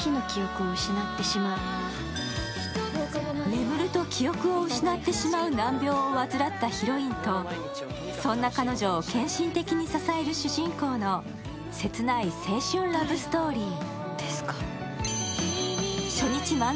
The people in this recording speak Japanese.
眠ると記憶を失ってしまう難病を患ったヒロインとそんな彼女を献身的に支える主人公の切ない青春ラブストーリー。